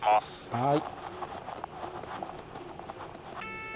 はい。